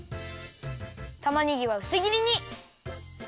たまねぎはうすぎりに。